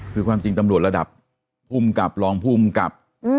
คือความจริงตำรวจระดับฮุ่มกลับรองฮุ่มกลับ